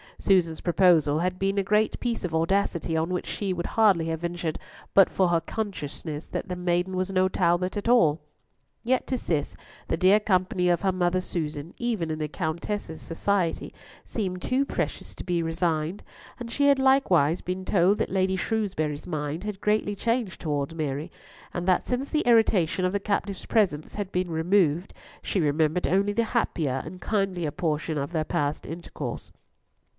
Susan's proposal had been a great piece of audacity, on which she would hardly have ventured but for her consciousness that the maiden was no Talbot at all. Yet to Cis the dear company of her mother Susan, even in the Countess's society, seemed too precious to be resigned, and she had likewise been told that Lady Shrewsbury's mind had greatly changed towards Mary, and that since the irritation of the captive's presence had been removed, she remembered only the happier and kindlier portion of their past intercourse.